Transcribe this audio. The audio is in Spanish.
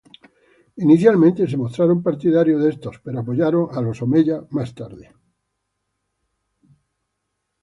Inicialmente, se mostraron partidarios de estos, pero apoyaron a los omeyas más tarde.